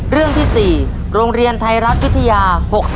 เรื่องที่๔โรงเรียนไทยรัฐวิทยา๖๓